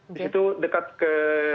di situ dekat ke